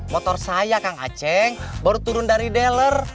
motor saya kang aceh baru turun dari dealer